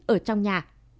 ở trong nhà